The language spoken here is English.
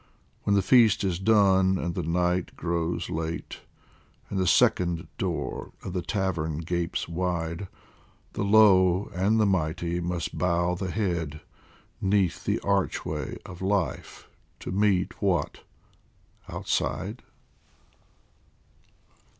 When the feast is done and the night grows late, And the second door of the tavern gapes wide, The low and the mighty must bow the head 'Neath the archway of Life, to meet what ... outside?